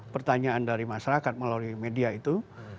pertanyaan dari masyarakat melalui media itu